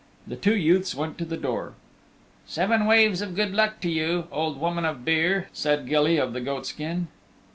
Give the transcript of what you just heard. The two youths went to the door. "Seven waves of good luck to you, Old Woman of Beare," said Gilly of the Goatskin.